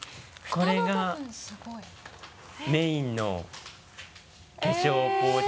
これがメインの化粧ポーチで。